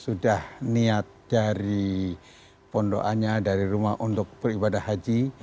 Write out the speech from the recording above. sudah niat dari pondoannya dari rumah untuk beribadah haji